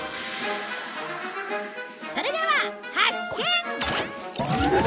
それでは発進！